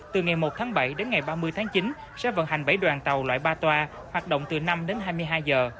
từ ngày một tháng bảy đến ngày ba mươi tháng chín sẽ vận hành bảy đoàn tàu loại ba toa hoạt động từ năm đến hai mươi hai giờ